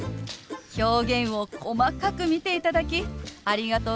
表現を細かく見ていただきありがとうございます。